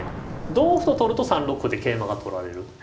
同歩と取ると３六歩で桂馬が取られる。